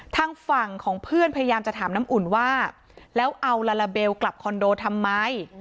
ทางฝั่งของเพื่อนพยายามจะถามน้ำอุ่นว่าแล้วเอาลาลาเบลกลับคอนโดทำไม